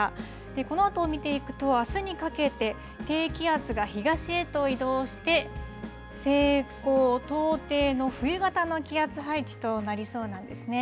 このあとを見ていくと、あすにかけて、低気圧が東へと移動して、西高東低の冬型の気圧配置となりそうなんですね。